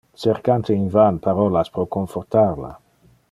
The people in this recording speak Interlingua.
Cercante in van parolas pro confortar la.